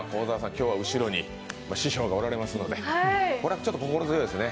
今日は後ろに師匠がいらっしゃるので、ちょっと心強いですね。